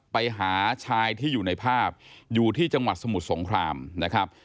ไปหาชายที่อยู่ในภาพอยู่ที่จังหวัดสมุทรสงครามนะครับ